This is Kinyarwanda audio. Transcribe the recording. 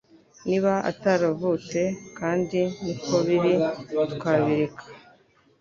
Niba ataravutse kandi niko biri twabireka